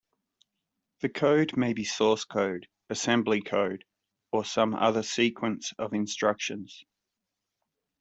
The code may be source code, assembly code or some other sequence of instructions.